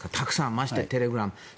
まして、テレグラムなら。